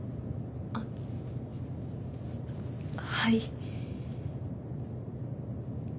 あっはい。